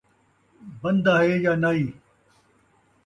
بندہ ہے یا نائی